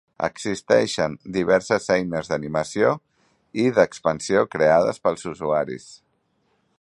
Existeixen diverses eines d'animació i d'expansió creades pels usuaris.